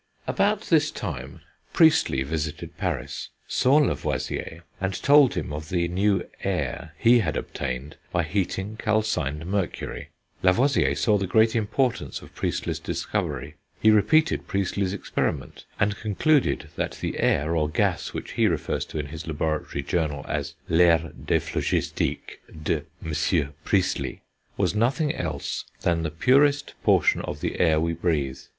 About this time Priestley visited Paris, saw Lavoisier, and told him of the new "air" he had obtained by heating calcined mercury. Lavoisier saw the great importance of Priestley's discovery; he repeated Priestley's experiment, and concluded that the air, or gas, which he refers to in his Laboratory Journal as "l'air dephlogistique de M. Priestley" was nothing else than the purest portion of the air we breathe.